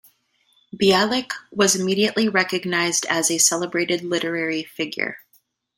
Bialik was immediately recognized as a celebrated literary figure.